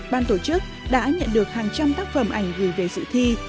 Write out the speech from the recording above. ban tổ chức đã nhận được hàng trăm tác phẩm ảnh gửi về dự thi